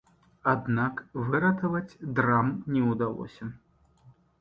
Аднак выратаваць драм не ўдалося.